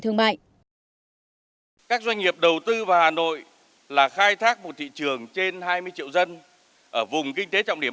của nhà đầu tư và hà nội là khai thác một thị trường trên hai mươi triệu dân ở vùng kinh tế trọng điểm